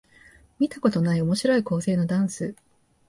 見たことない面白い構成のダンス